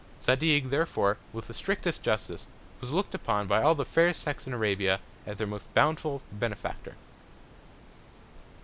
Zadig, therefore, with the strictest Justice, was look'd upon by all the Fair Sex in Arabia, as their most bountiful Benefactor.